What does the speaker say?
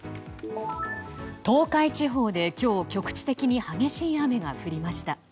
東海地方で今日、局地的に激しい雨が降りました。